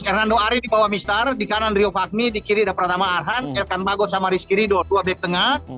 hernando ari di bawah mistar di kanan rio fagmi di kiri ada pratama arhan erkan bagot sama rizky ridho dua back tengah